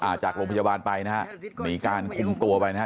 จากโรงพยาบาลไปนะฮะมีการคุมตัวไปนะฮะ